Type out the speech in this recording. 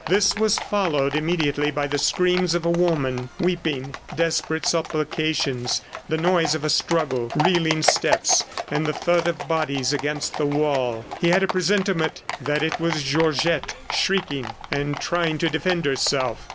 This was followed immediately by the screams of a woman, weeping, desperate supplications, the noise of a struggle, reeling steps, and the thud of bodies against the wall. He had a presentiment that it was Georgette shrieking and trying to defend herself.